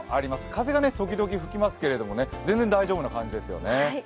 風が時々吹きますけど全然大丈夫な感じですよね。